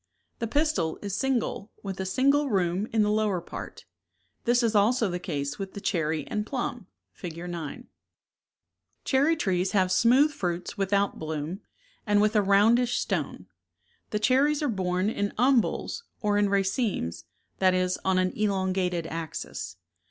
The pistil is single, with a single room in the lower part. This is also the case with the cherry and plum (Fig. 9). ^u^ 35 Cherry trees have smooth fruits without bloom, and with a roundish stone. The cherries are borne in umbels, or in racemes, that is, on an elongated axis.